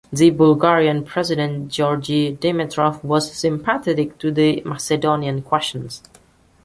The Bulgarian president Georgi Dimitrov was sympathetic to the Macedonian Question.